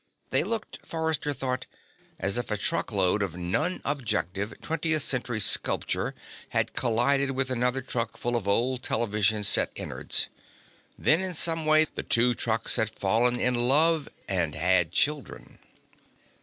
They looked, Forrester thought, as if a truckload of non objective twentieth century sculpture had collided with another truck full of old television set innards. Then, in some way, the two trucks had fallen in love and had children.